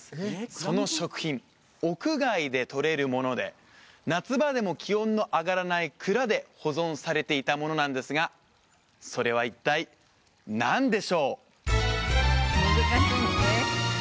その食品屋外でとれるもので夏場でも気温の上がらない蔵で保存されていたものなんですがそれは一体何でしょう？